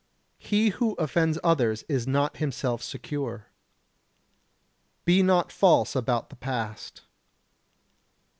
He who offends others is not himself secure. Be not false about the past.